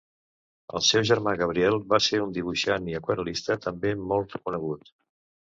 El seu germà Gabriel va ser un dibuixant i aquarel·lista també molt reconegut.